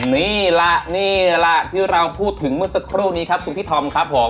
นี่แหละนี่แหละที่เราพูดถึงเมื่อสักครู่นี้ครับคุณพี่ธอมครับผม